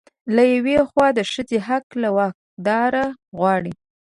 له يوې خوا د ښځې حق له واکدار غواړي